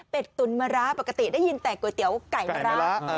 เป็นตุ๋นมะระปกติได้ยินแต่ก๋วยเตี๋ยวไก่มะระ